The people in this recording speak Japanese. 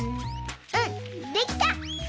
うんできた！